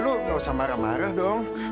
lu gak usah marah marah dong